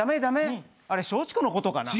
あれ松竹のことかな？